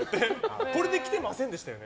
これで来てませんでしたよね？